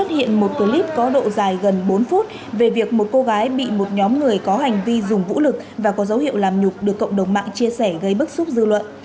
phát hiện một clip có độ dài gần bốn phút về việc một cô gái bị một nhóm người có hành vi dùng vũ lực và có dấu hiệu làm nhục được cộng đồng mạng chia sẻ gây bức xúc dư luận